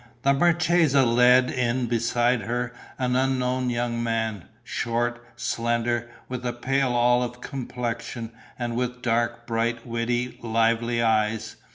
The marchesa led in beside her an unknown young man, short, slender, with a pale olive complexion and with dark, bright, witty, lively eyes.